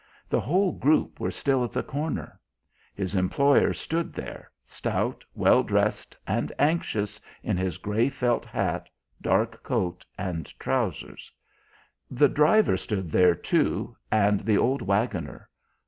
The whole group were still at the corner. His employer stood there, stout, well dressed, and anxious, in his grey felt hat, dark coat and trousers; the driver stood there, too, and the old waggoner.